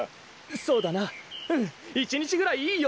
そうだなうん１にちぐらいいいよな。